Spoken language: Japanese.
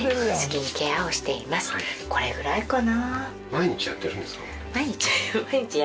これぐらいかな？